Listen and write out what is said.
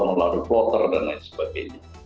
melalui kloter dan lain sebagainya